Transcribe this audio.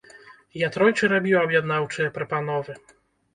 Я тройчы рабіў аб'яднаўчыя прапановы.